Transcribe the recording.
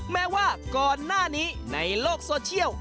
แม้ว่าก่อนหน้านี้ในโลกโซเชียล